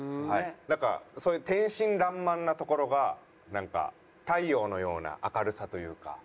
なんかそういう天真爛漫なところが太陽のような明るさというか。